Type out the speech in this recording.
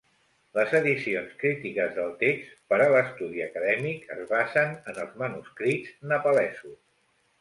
Les edicions crítiques del text, per a l'estudi acadèmic, es basen en els manuscrits nepalesos.